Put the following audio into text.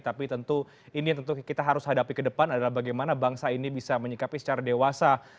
tapi tentu ini yang tentu kita harus hadapi ke depan adalah bagaimana bangsa ini bisa menyikapi secara dewasa